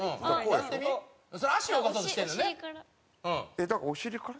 えっだからお尻から。